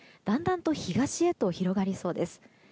だんだんと東へと広がりそうです。